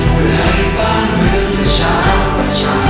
เพื่อให้บ้านเมืองและชาวประชา